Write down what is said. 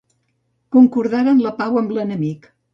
Concordaren la pau amb l'enemic.